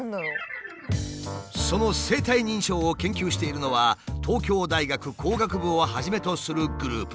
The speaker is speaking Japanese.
その生体認証を研究しているのは東京大学工学部をはじめとするグループ。